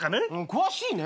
詳しいね。